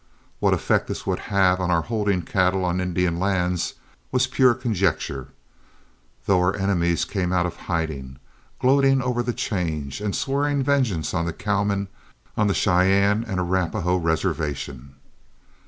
What effect this would have on our holding cattle on Indian lands was pure conjecture, though our enemies came out of hiding, gloating over the change, and swearing vengeance on the cowmen on the Cheyenne and Arapahoe reservation.